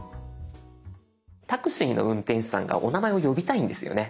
タクシーの運転手さんがお名前を呼びたいんですよね。